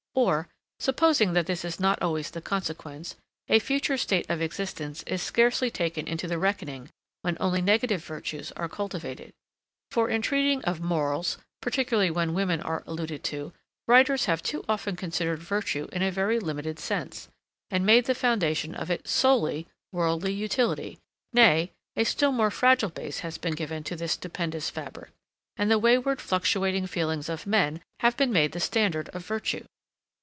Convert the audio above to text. Or, supposing that this is not always the consequence, a future state of existence is scarcely taken into the reckoning when only negative virtues are cultivated. For in treating of morals, particularly when women are alluded to, writers have too often considered virtue in a very limited sense, and made the foundation of it SOLELY worldly utility; nay, a still more fragile base has been given to this stupendous fabric, and the wayward fluctuating feelings of men have been made the standard of virtue.